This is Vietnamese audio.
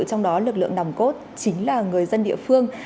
trong đó lực lượng nòng cốt chính là người dân địa phương